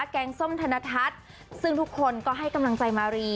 แกงส้มธนทัศน์ซึ่งทุกคนก็ให้กำลังใจมารี